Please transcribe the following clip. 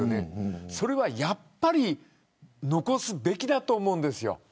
それはやっぱり残すべきだと思うんです。